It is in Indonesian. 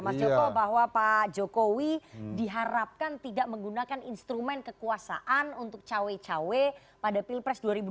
mas joko bahwa pak jokowi diharapkan tidak menggunakan instrumen kekuasaan untuk cawe cawe pada pilpres dua ribu dua puluh